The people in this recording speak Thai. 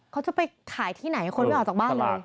เขาจะไปขายที่ไหนให้คนไปออกจากบ้าง